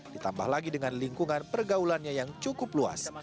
ditambah lagi dengan lingkungan pergaulannya yang cukup luas